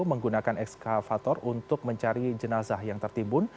menggunakan ekskavator untuk mencari jenazah yang tertimbun